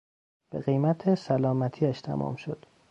به قیمت سلامتیاش تمام شد